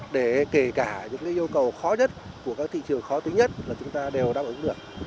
để kể cả những yêu cầu khó nhất của các thị trường khó tính nhất là chúng ta đều đáp ứng được